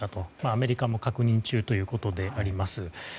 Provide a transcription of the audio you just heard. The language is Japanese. アメリカも確認中ということであります。